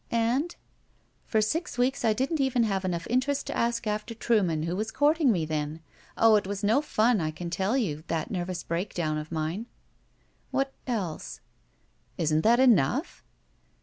"And?" "For six weeks I didn't even have enough interest to ask after Truman, who was courting me then. Oh, it was no fun, I can tell you, that nervous break down of ipine!" ??9 / GUILTY ''What— else?" "Isn't that enough?"